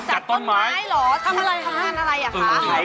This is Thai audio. จัดต้นไม้หรอทำอะไรครับ